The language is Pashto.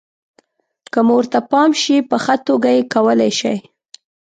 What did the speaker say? که مو ورته پام شي، په ښه توګه یې کولای شئ.